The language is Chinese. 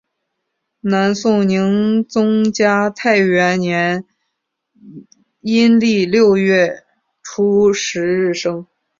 南宋宁宗嘉泰元年阴历六月初十日生。